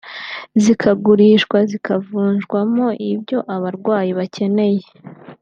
zikagurishwa zikavunjwamo ibyo abarwanyi bakeneye